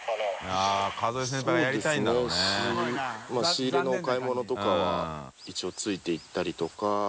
仕入れのお買い物とかは豈付いていったりとか。